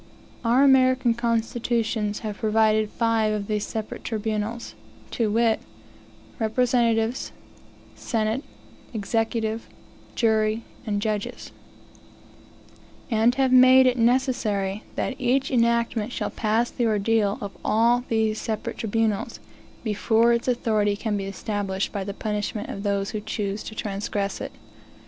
Our American constitutions have provided five of these separate tribunals, to wit, representatives, senate, executive, jury, and judges; and have made it necessary that each enactment shall pass the ordeal of all these separate tribunals, before its authority can be established by the punishment of those who choose to transgress it.